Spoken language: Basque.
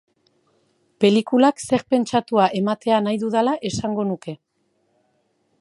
Pelikulak zer pentsatua ematea nahi dudala esango nuke.